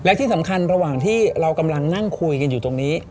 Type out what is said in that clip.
และที่สำคัญระหว่างที่เรากำลังนั่งคุยกันอยู่ตรงนี้